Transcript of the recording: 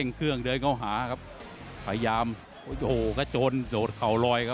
อันนี้ก็เหลือยกเดียวเหลือมากเลยนะครับมั่นใจว่าจะได้แชมป์ไปพลาดโดนในยกที่สามครับเจอหุ้กขวาตามสัญชาตยานหล่นเลยครับ